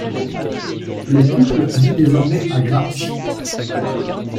Le couple vit désormais à Grabs.